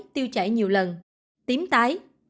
tiêu chảy nhiều lần tím tái